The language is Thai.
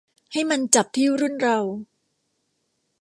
ให้มันจับที่รุ่นเรา